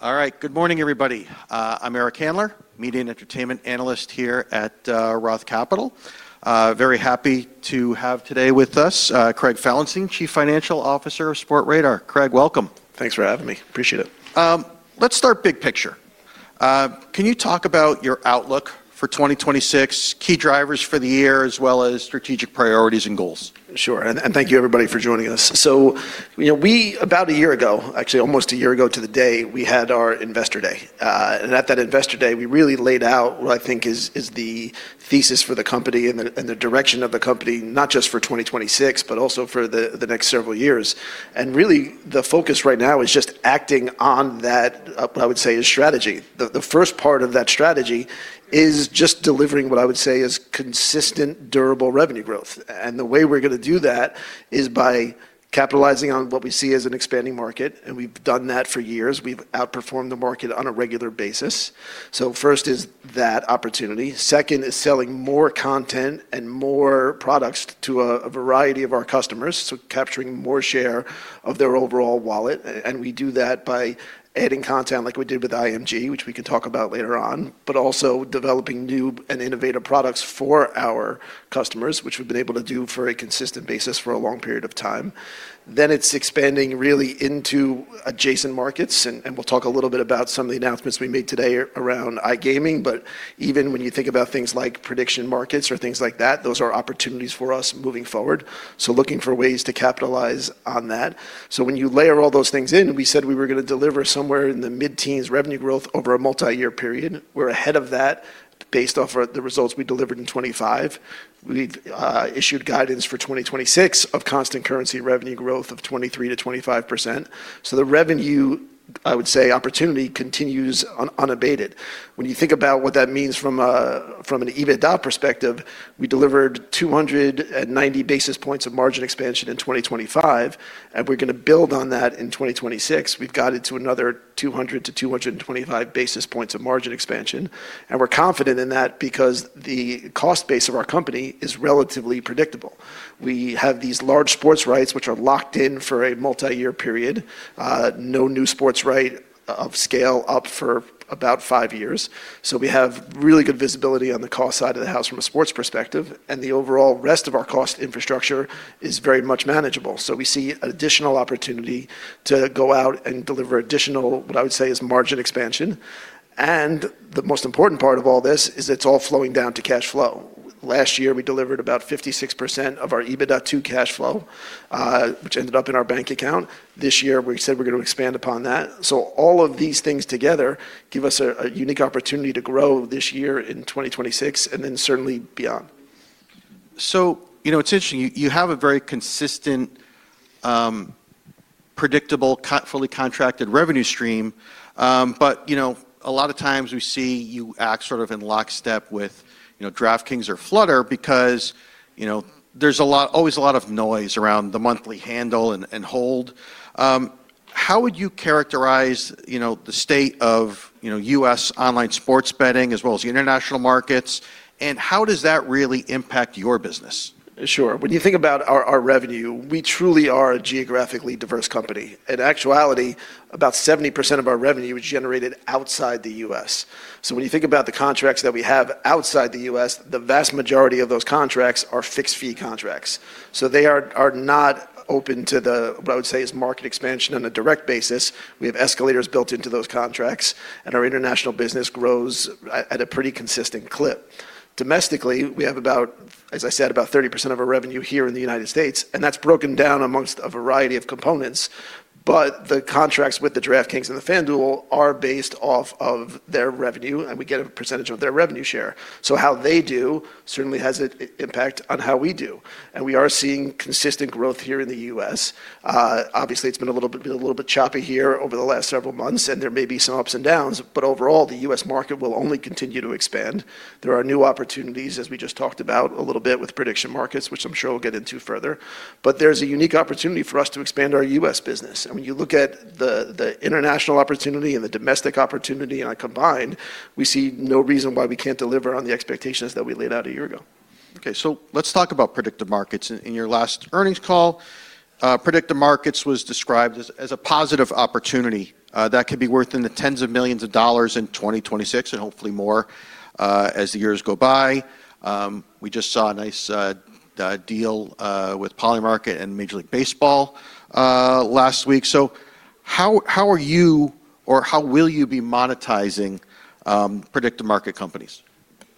All right. Good morning, everybody. I'm Eric Handler, Media and Entertainment Analyst here at Roth Capital. Very happy to have today with us Craig Felenstein, Chief Financial Officer of Sportradar. Craig, welcome. Thanks for having me. Appreciate it. Let's start big picture. Can you talk about your outlook for 2026, key drivers for the year as well as strategic priorities and goals? Sure. Thank you, everybody, for joining us. You know, about a year ago, actually almost a year ago to the day, we had our Investor Day. At that Investor Day, we really laid out what I think is the thesis for the company and the direction of the company, not just for 2026, but also for the next several years. Really the focus right now is just acting on that, what I would say is strategy. The first part of that strategy is just delivering what I would say is consistent, durable revenue growth. The way we're gonna do that is by capitalizing on what we see as an expanding market, and we've done that for years. We've outperformed the market on a regular basis. First is that opportunity. Second is selling more content and more products to a variety of our customers, so capturing more share of their overall wallet. We do that by adding content like we did with IMG, which we can talk about later on, but also developing new and innovative products for our customers, which we've been able to do on a consistent basis for a long period of time. It's expanding really into adjacent markets and we'll talk a little bit about some of the announcements we made today around iGaming. Even when you think about things like prediction markets or things like that, those are opportunities for us moving forward. Looking for ways to capitalize on that. When you layer all those things in, we said we were gonna deliver somewhere in the mid-teens revenue growth over a multi-year period. We're ahead of that based off of the results we delivered in 2025. We've issued guidance for 2026 of constant currency revenue growth of 23%-25%. The revenue, I would say, opportunity continues unabated. When you think about what that means from an EBITDA perspective, we delivered 290 basis points of margin expansion in 2025, and we're gonna build on that in 2026. We've guided to another 200-225 basis points of margin expansion, and we're confident in that because the cost base of our company is relatively predictable. We have these large sports rights which are locked in for a multi-year period. No new sports right of scale up for about five years. We have really good visibility on the cost side of the house from a sports perspective, and the overall rest of our cost infrastructure is very much manageable. We see additional opportunity to go out and deliver additional, what I would say is margin expansion. The most important part of all this is it's all flowing down to cash flow. Last year, we delivered about 56% of our EBITDA to cash flow, which ended up in our bank account. This year we said we're gonna expand upon that. All of these things together give us a unique opportunity to grow this year in 2026 and then certainly beyond. You know, it's interesting, you have a very consistent, predictable, fully contracted revenue stream. You know, a lot of times we see you act sort of in lockstep with, you know, DraftKings or Flutter because, you know, there's always a lot of noise around the monthly handle and hold. How would you characterize, you know, the state of, you know, U.S. online sports betting as well as international markets, and how does that really impact your business? Sure. When you think about our revenue, we truly are a geographically diverse company. In actuality, about 70% of our revenue is generated outside the U.S. When you think about the contracts that we have outside the U.S., the vast majority of those contracts are fixed-fee contracts. They are not open to the, what I would say is market expansion on a direct basis. We have escalators built into those contracts, and our international business grows at a pretty consistent clip. Domestically, we have about, as I said, about 30% of our revenue here in the United States, and that's broken down amongst a variety of components. The contracts with the DraftKings and the FanDuel are based off of their revenue, and we get a percentage of their revenue share. So how they do certainly has an impact on how we do. We are seeing consistent growth here in the U.S. Obviously it's been a little bit choppy here over the last several months, and there may be some ups and downs, but overall the U.S. market will only continue to expand. There are new opportunities, as we just talked about a little bit with prediction markets, which I'm sure we'll get into further. There's a unique opportunity for us to expand our U.S. business. I mean, you look at the international opportunity and the domestic opportunity and combined, we see no reason why we can't deliver on the expectations that we laid out a year ago. Okay, let's talk about prediction markets. In your last earnings call, prediction markets was described as a positive opportunity that could be worth 10s of millions in 2026 and hopefully more as the years go by. We just saw a nice deal with Polymarket and Major League Baseball last week. How are you or how will you be monetizing prediction market companies?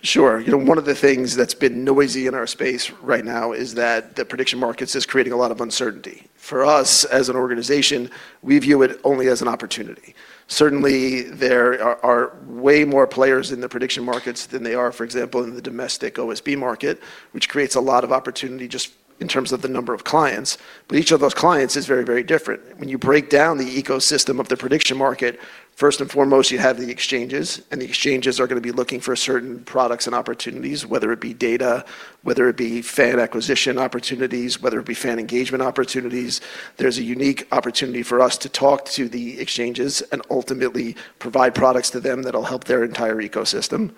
Sure. You know, one of the things that's been noisy in our space right now is that the prediction markets is creating a lot of uncertainty. For us as an organization, we view it only as an opportunity. Certainly, there are way more players in the prediction markets than there are, for example, in the domestic OSB market, which creates a lot of opportunity just in terms of the number of clients. Each of those clients is very, very different. When you break down the ecosystem of the prediction market, first and foremost, you have the exchanges, and the exchanges are gonna be looking for certain products and opportunities, whether it be data, whether it be fan acquisition opportunities, whether it be fan engagement opportunities. There's a unique opportunity for us to talk to the exchanges and ultimately provide products to them that'll help their entire ecosystem.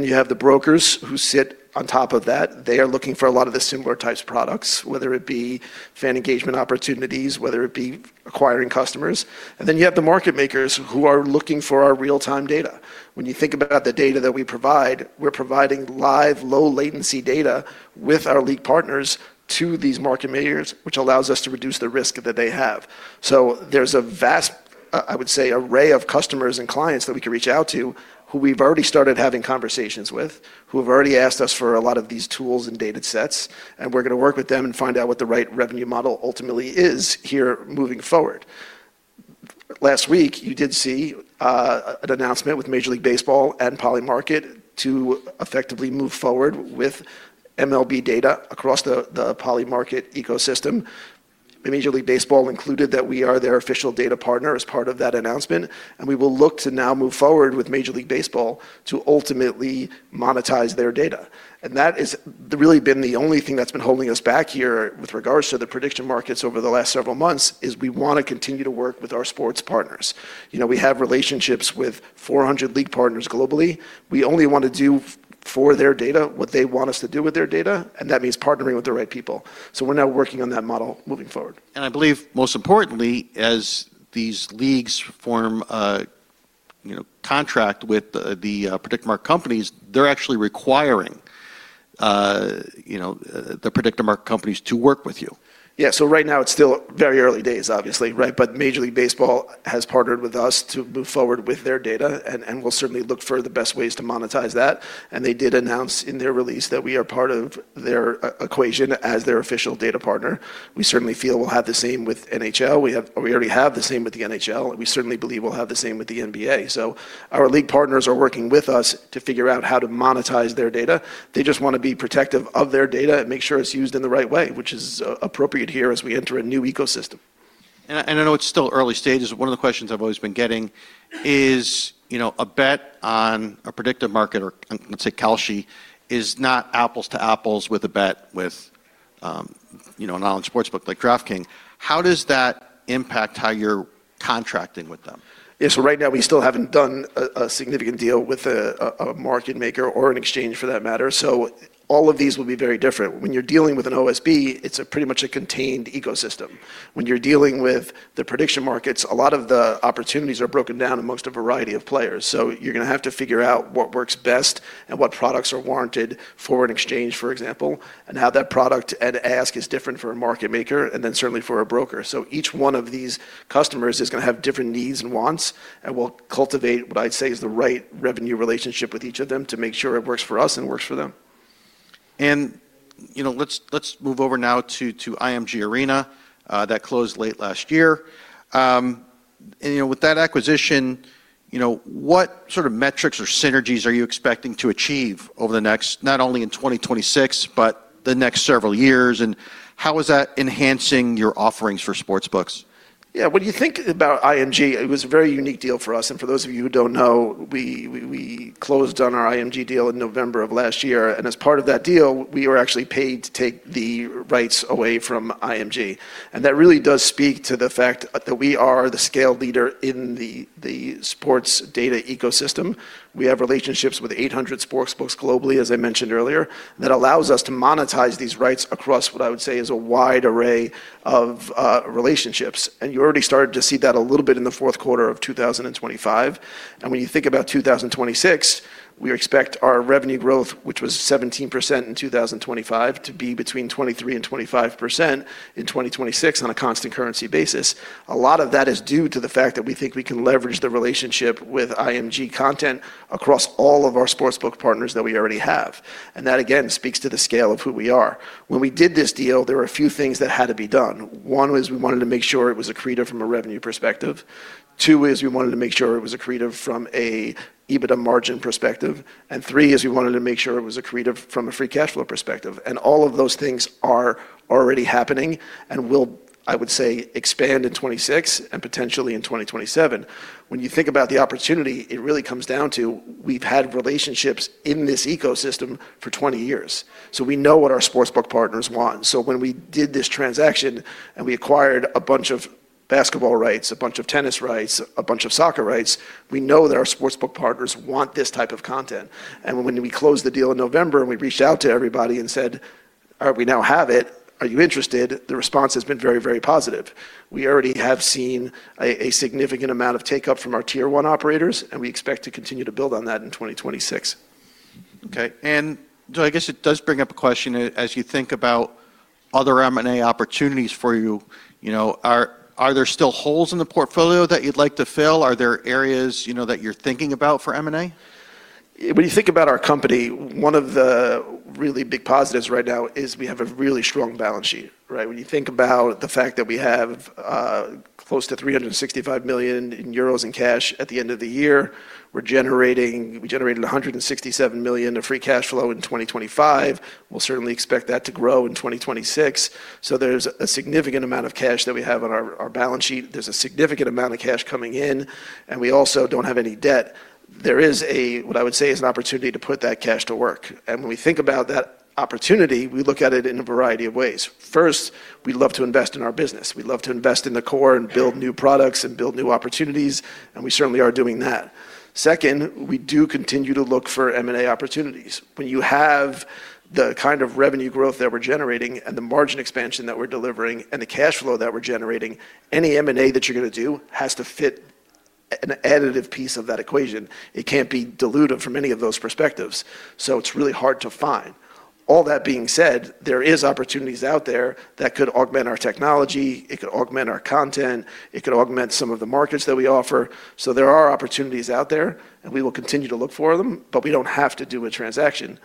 You have the brokers who sit on top of that. They are looking for a lot of the similar types of products, whether it be fan engagement opportunities, whether it be acquiring customers. You have the market makers who are looking for our real-time data. When you think about the data that we provide, we're providing live low-latency data with our league partners to these market makers, which allows us to reduce the risk that they have. There's a vast array of customers and clients that we can reach out to who we've already started having conversations with, who have already asked us for a lot of these tools and datasets, and we're gonna work with them and find out what the right revenue model ultimately is here moving forward. Last week, you did see an announcement with Major League Baseball and Polymarket to effectively move forward with MLB data across the Polymarket ecosystem. Major League Baseball included that we are their official data partner as part of that announcement, and we will look to now move forward with Major League Baseball to ultimately monetize their data. That is really been the only thing that's been holding us back here with regards to the prediction markets over the last several months, is we wanna continue to work with our sports partners. You know, we have relationships with 400 league partners globally. We only wanna do for their data what they want us to do with their data, and that means partnering with the right people. We're now working on that model moving forward. I believe most importantly, as these leagues form a you know contract with the prediction market companies, they're actually requiring you know the prediction market companies to work with you. Yeah. Right now it's still very early days, obviously, right? Major League Baseball has partnered with us to move forward with their data and we'll certainly look for the best ways to monetize that. They did announce in their release that we are part of their equation as their official data partner. We certainly feel we'll have the same with NHL. We already have the same with the NHL. We certainly believe we'll have the same with the NBA. Our league partners are working with us to figure out how to monetize their data. They just wanna be protective of their data and make sure it's used in the right way, which is appropriate here as we enter a new ecosystem. I know it's still early stages. One of the questions I've always been getting is, you know, a bet on a prediction market or, let's say, Kalshi is not apples to apples with a bet with, you know, an online sportsbook like DraftKings. How does that impact how you're contracting with them? Yeah. Right now we still haven't done a significant deal with a market maker or an exchange for that matter. All of these will be very different. When you're dealing with an OSB, it's pretty much a contained ecosystem. When you're dealing with the prediction markets, a lot of the opportunities are broken down amongst a variety of players. You're gonna have to figure out what works best and what products are warranted for an exchange, for example, and how that product at ask is different for a market maker and then certainly for a broker. Each one of these customers is gonna have different needs and wants, and we'll cultivate what I'd say is the right revenue relationship with each of them to make sure it works for us and works for them. You know, let's move over now to IMG ARENA, that closed late last year. You know, with that acquisition, you know, what sort of metrics or synergies are you expecting to achieve over the next not only in 2026, but the next several years, and how is that enhancing your offerings for sportsbooks? Yeah. When you think about IMG, it was a very unique deal for us. For those of you who don't know, we closed on our IMG deal in November of last year. As part of that deal, we were actually paid to take the rights away from IMG. That really does speak to the fact that we are the scale leader in the sports data ecosystem. We have relationships with 800 sportsbooks globally, as I mentioned earlier. That allows us to monetize these rights across what I would say is a wide array of relationships. You already started to see that a little bit in the Q4 of 2025. When you think about 2026, we expect our revenue growth, which was 17% in 2025, to be between 23% and 25% in 2026 on a constant currency basis. A lot of that is due to the fact that we think we can leverage the relationship with IMG content across all of our sportsbook partners that we already have. That again speaks to the scale of who we are. When we did this deal, there were a few things that had to be done. One was we wanted to make sure it was accretive from a revenue perspective. Two is we wanted to make sure it was accretive from an EBITDA margin perspective. Three is we wanted to make sure it was accretive from a free cash flow perspective. All of those things are already happening and will, I would say, expand in 2026 and potentially in 2027. When you think about the opportunity, it really comes down to we've had relationships in this ecosystem for 20 years. We know what our sportsbook partners want. When we did this transaction and we acquired a bunch of basketball rights, a bunch of tennis rights, a bunch of soccer rights, we know that our sportsbook partners want this type of content. When we closed the deal in November and we reached out to everybody and said, "All right, we now have it. Are you interested?" The response has been very, very positive. We already have seen a significant amount of take-up from our Tier 1 operators, and we expect to continue to build on that in 2026. Okay. I guess it does bring up a question as you think about other M&A opportunities for you. You know, are there still holes in the portfolio that you'd like to fill? Are there areas, you know, that you're thinking about for M&A? When you think about our company, one of the really big positives right now is we have a really strong balance sheet, right? When you think about the fact that we have close to 365 million euros in cash at the end of the year, we generated 167 million of free cash flow in 2025. We'll certainly expect that to grow in 2026. There's a significant amount of cash that we have on our balance sheet. There's a significant amount of cash coming in, and we also don't have any debt. There is, what I would say, an opportunity to put that cash to work. When we think about that opportunity, we look at it in a variety of ways. First, we'd love to invest in our business. We'd love to invest in the core and build new products and build new opportunities, and we certainly are doing that. Second, we do continue to look for M&A opportunities. When you have the kind of revenue growth that we're generating and the margin expansion that we're delivering and the cash flow that we're generating, any M&A that you're gonna do has to fit. An additive piece of that equation. It can't be diluted from any of those perspectives, so it's really hard to find. All that being said, there is opportunities out there that could augment our technology, it could augment our content, it could augment some of the markets that we offer. There are opportunities out there, and we will continue to look for them, but we don't have to do a transaction.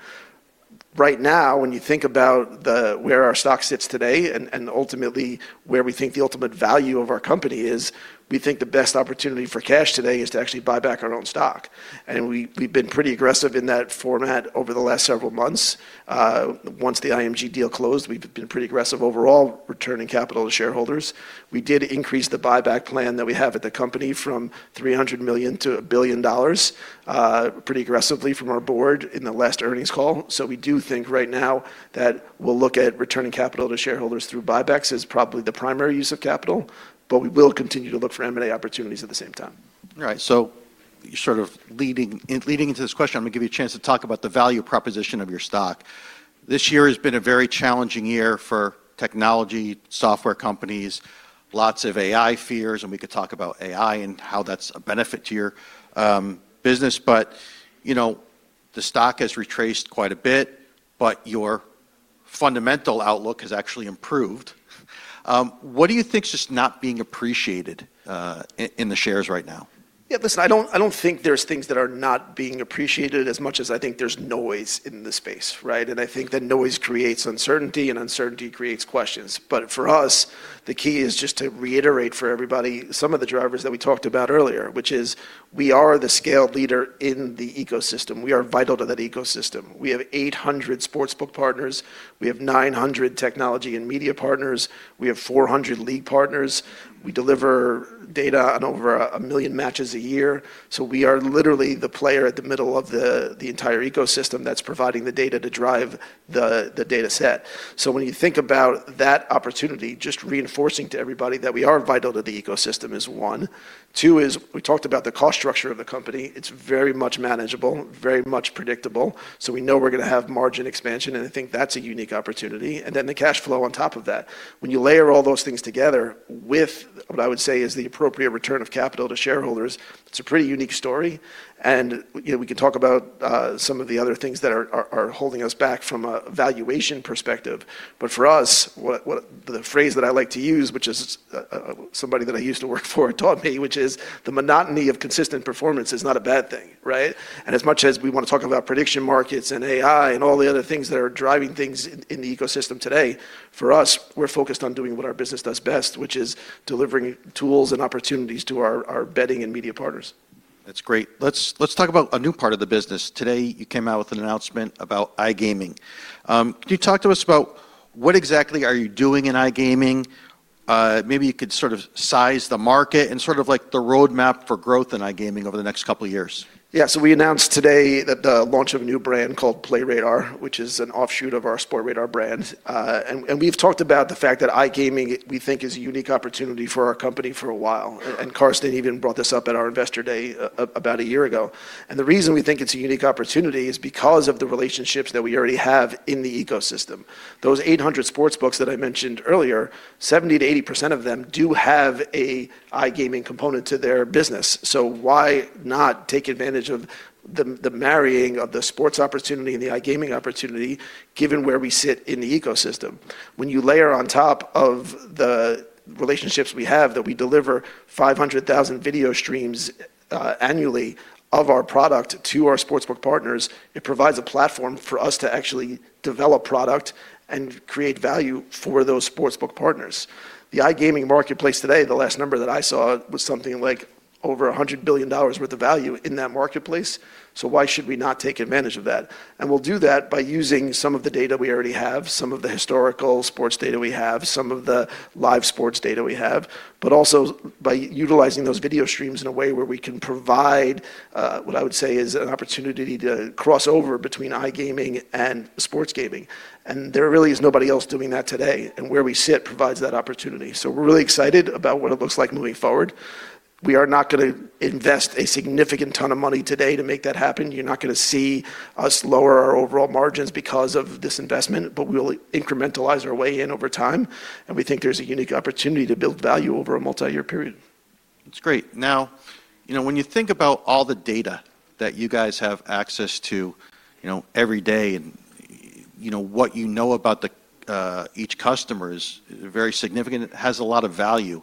Right now, when you think about where our stock sits today and ultimately where we think the ultimate value of our company is, we think the best opportunity for cash today is to actually buy back our own stock. We, we've been pretty aggressive in that format over the last several months. Once the IMG deal closed, we've been pretty aggressive overall returning capital to shareholders. We did increase the buyback plan that we have at the company from $300 million to $1 billion pretty aggressively from our board in the last earnings call. We do think right now that we'll look at returning capital to shareholders through buybacks as probably the primary use of capital, but we will continue to look for M&A opportunities at the same time. All right. Sort of leading into this question, I'm gonna give you a chance to talk about the value proposition of your stock. This year has been a very challenging year for technology, software companies, lots of AI fears, and we could talk about AI and how that's a benefit to your business. You know, the stock has retraced quite a bit, but your fundamental outlook has actually improved. What do you think is just not being appreciated in the shares right now? Yeah, listen, I don't think there's things that are not being appreciated as much as I think there's noise in the space, right? I think that noise creates uncertainty, and uncertainty creates questions. For us, the key is just to reiterate for everybody some of the drivers that we talked about earlier, which is we are the scaled leader in the ecosystem. We are vital to that ecosystem. We have 800 sportsbook partners. We have 900 technology and media partners. We have 400 league partners. We deliver data on over 1,000,000 matches a year. We are literally the player at the middle of the entire ecosystem that's providing the data to drive the dataset. When you think about that opportunity, just reinforcing to everybody that we are vital to the ecosystem is one. Two is we talked about the cost structure of the company. It's very much manageable, very much predictable. We know we're gonna have margin expansion, and I think that's a unique opportunity. Then the cash flow on top of that. When you layer all those things together with what I would say is the appropriate return of capital to shareholders, it's a pretty unique story. You know, we could talk about some of the other things that are holding us back from a valuation perspective. For us, the phrase that I like to use, which is somebody that I used to work for taught me, which is the monotony of consistent performance is not a bad thing, right? As much as we wanna talk about prediction markets and AI and all the other things that are driving things in the ecosystem today, for us, we're focused on doing what our business does best, which is delivering tools and opportunities to our betting and media partners. That's great. Let's talk about a new part of the business. Today, you came out with an announcement about iGaming. Can you talk to us about what exactly are you doing in iGaming? Maybe you could sort of size the market and sort of like the roadmap for growth in iGaming over the next couple years. We announced today the launch of a new brand called Playradar, which is an offshoot of our Sportradar brand. We've talked about the fact that iGaming, we think, is a unique opportunity for our company for a while. Carsten even brought this up at our investor day about a year ago. The reason we think it's a unique opportunity is because of the relationships that we already have in the ecosystem. Those 800 sportsbooks that I mentioned earlier, 70%-80% of them do have an iGaming component to their business. Why not take advantage of the marrying of the sports opportunity and the iGaming opportunity given where we sit in the ecosystem? When you layer on top of the relationships we have that we deliver 500,000 video streams annually of our product to our sportsbook partners, it provides a platform for us to actually develop product and create value for those sportsbook partners. The iGaming marketplace today, the last number that I saw was something like over $100 billion worth of value in that marketplace. Why should we not take advantage of that? We'll do that by using some of the data we already have, some of the historical sports data we have, some of the live sports data we have, but also by utilizing those video streams in a way where we can provide what I would say is an opportunity to cross over between iGaming and sports gaming. There really is nobody else doing that today, and where we sit provides that opportunity. We're really excited about what it looks like moving forward. We are not gonna invest a significant ton of money today to make that happen. You're not gonna see us lower our overall margins because of this investment, but we'll incrementalize our way in over time, and we think there's a unique opportunity to build value over a multi-year period. That's great. Now, you know, when you think about all the data that you guys have access to, you know, every day and, you know, what you know about the each customer is very significant. It has a lot of value.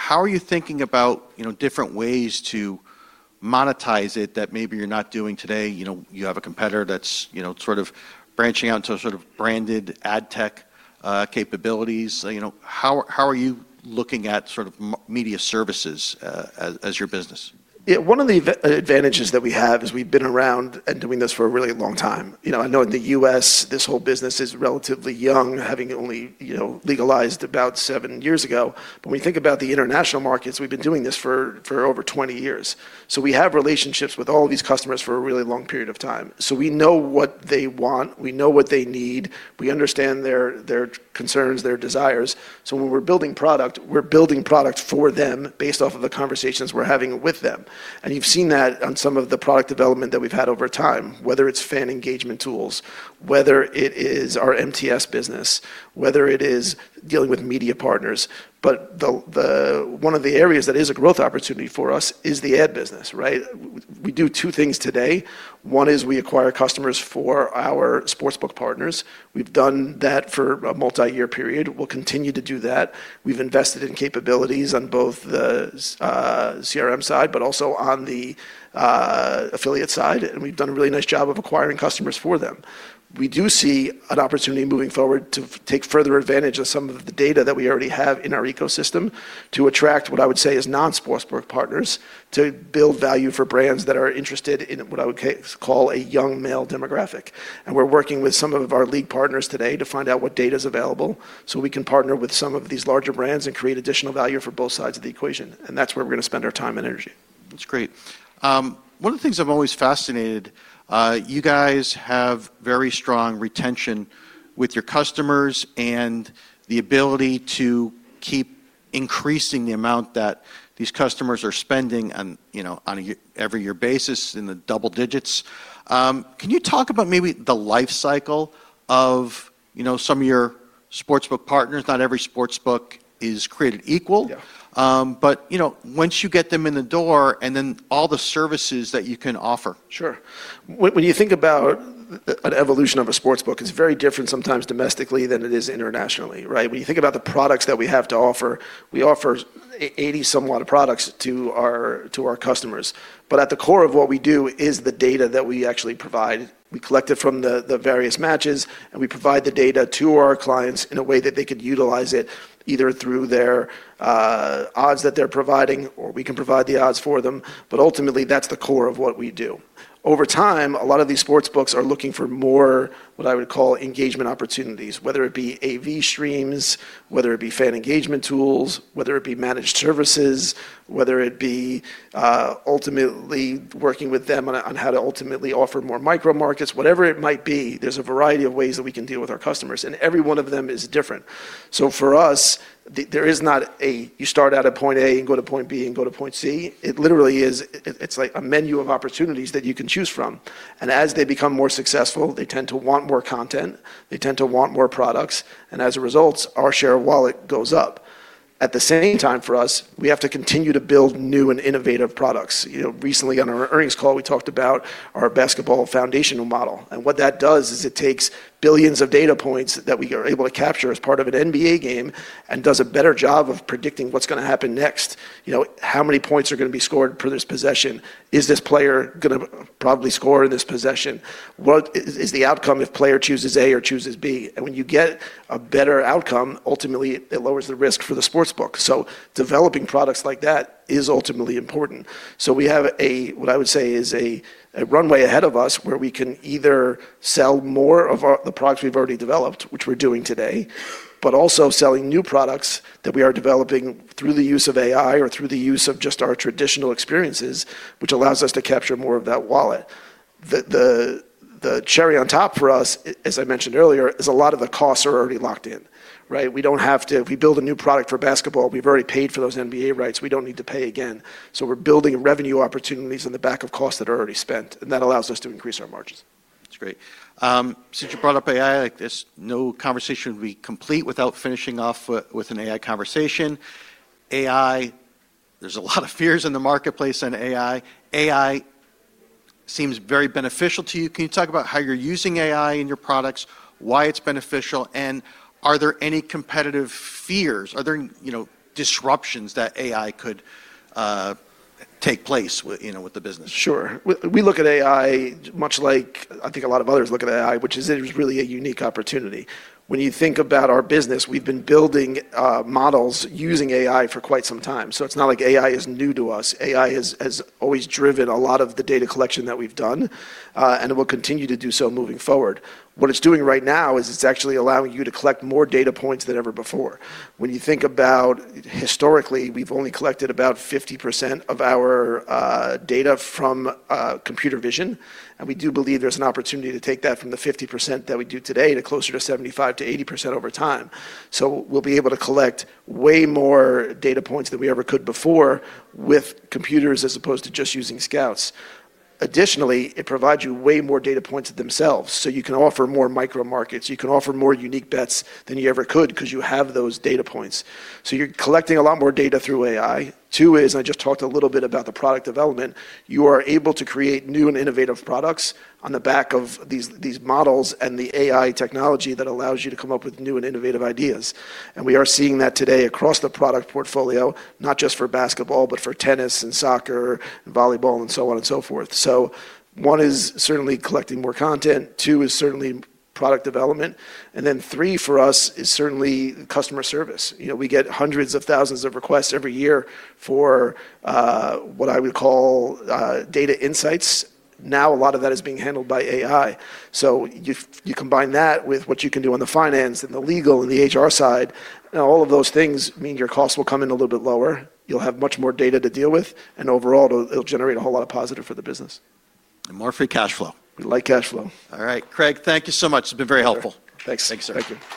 How are you thinking about, you know, different ways to monetize it that maybe you're not doing today? You know, you have a competitor that's, you know, sort of branching out into sort of branded ad tech capabilities. You know, how are you looking at sort of media services, as your business? Yeah. One of the advantages that we have is we've been around and doing this for a really long time. You know, I know in the U.S. this whole business is relatively young, having only, you know, legalized about seven years ago. When we think about the international markets, we've been doing this for over 20 years. We have relationships with all these customers for a really long period of time. We know what they want, we know what they need, we understand their concerns, their desires. When we're building product, we're building product for them based off of the conversations we're having with them. You've seen that on some of the product development that we've had over time, whether it's fan engagement tools, whether it is our MTS business, whether it is dealing with media partners. One of the areas that is a growth opportunity for us is the ad business, right? We do two things today. One is we acquire customers for our sports book partners. We've done that for a multi-year period. We'll continue to do that. We've invested in capabilities on both the CRM side, but also on the affiliate side, and we've done a really nice job of acquiring customers for them. We do see an opportunity moving forward to take further advantage of some of the data that we already have in our ecosystem to attract what I would say is non-sports book partners to build value for brands that are interested in what I would call a young male demographic. We're working with some of our league partners today to find out what data is available, so we can partner with some of these larger brands and create additional value for both sides of the equation, and that's where we're gonna spend our time and energy. That's great. One of the things I'm always fascinated, you guys have very strong retention with your customers and the ability to keep increasing the amount that these customers are spending on, you know, on every year basis in the double-digits. Can you talk about maybe the life cycle of, you know, some of your sports book partners? Not every sports book is created equal. Yeah. You know, once you get them in the door, and then all the services that you can offer. Sure. When you think about an evolution of a sports book, it's very different sometimes domestically than it is internationally, right? When you think about the products that we have to offer, we offer 80 some odd products to our customers. But at the core of what we do is the data that we actually provide. We collect it from the various matches, and we provide the data to our clients in a way that they could utilize it, either through their odds that they're providing, or we can provide the odds for them, but ultimately, that's the core of what we do. Over time, a lot of these sports books are looking for more, what I would call engagement opportunities, whether it be AV streams, whether it be fan engagement tools, whether it be managed services, whether it be ultimately working with them on how to ultimately offer more micro markets, whatever it might be. There's a variety of ways that we can deal with our customers, and every one of them is different. So for us, there is not a you start out at point A and go to point B and go to point C. It literally is. It's like a menu of opportunities that you can choose from. As they become more successful, they tend to want more content, they tend to want more products, and as a result, our share of wallet goes up. At the same time, for us, we have to continue to build new and innovative products. You know, recently on our earnings call, we talked about our basketball foundational model. What that does is it takes billions of data points that we are able to capture as part of an NBA game and does a better job of predicting what's gonna happen next. You know, how many points are gonna be scored per this possession? Is this player gonna probably score in this possession? What is the outcome if player chooses A or chooses B? When you get a better outcome, ultimately it lowers the risk for the sports book. Developing products like that is ultimately important. We have what I would say is a runway ahead of us where we can either sell more of our products we've already developed, which we're doing today, but also selling new products that we are developing through the use of AI or through the use of just our traditional experiences, which allows us to capture more of that wallet. The cherry on top for us, as I mentioned earlier, is a lot of the costs are already locked in, right? We don't have to if we build a new product for basketball, we've already paid for those NBA rights. We don't need to pay again. We're building revenue opportunities on the back of costs that are already spent, and that allows us to increase our margins. That's great. Since you brought up AI, like, no conversation would be complete without finishing off with an AI conversation. AI, there's a lot of fears in the marketplace on AI. AI seems very beneficial to you. Can you talk about how you're using AI in your products, why it's beneficial, and are there any competitive fears? Are there, you know, disruptions that AI could take place, you know, with the business? Sure. We look at AI much like I think a lot of others look at AI, which is it is really a unique opportunity. When you think about our business, we've been building models using AI for quite some time, so it's not like AI is new to us. AI has always driven a lot of the data collection that we've done, and it will continue to do so moving forward. What it's doing right now is it's actually allowing you to collect more data points than ever before. When you think about historically, we've only collected about 50% of our data from computer vision, and we do believe there's an opportunity to take that from the 50% that we do today to closer to 75%-80% over time. We'll be able to collect way more data points than we ever could before with computers as opposed to just using scouts. Additionally, it provides you way more data points themselves, so you can offer more micro markets, you can offer more unique bets than you ever could 'cause you have those data points. You're collecting a lot more data through AI. Two is, and I just talked a little bit about the product development, you are able to create new and innovative products on the back of these models and the AI technology that allows you to come up with new and innovative ideas. We are seeing that today across the product portfolio, not just for basketball, but for tennis and soccer, volleyball, and so on and so forth. One is certainly collecting more content, two is certainly product development, and then three for us is certainly customer service. You know, we get hundreds of thousands of requests every year for what I would call data insights. Now, a lot of that is being handled by AI. If you combine that with what you can do on the finance and the legal and the HR side, all of those things mean your costs will come in a little bit lower, you'll have much more data to deal with, and overall it'll generate a whole lot of positive for the business. More free cash flow. We like cash flow. All right. Craig, thank you so much. It's been very helpful. Thanks. Thanks, sir. Thank you.